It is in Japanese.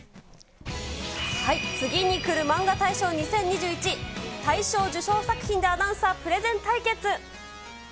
次にくるマンガ大賞２０２１、大賞受賞作品で、アナウンサープレゼン対決。